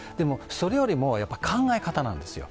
それよりも考え方なんですよ。